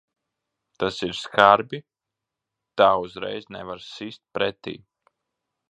Tas ir skarbi. Tā uzreiz nevar sist pretī.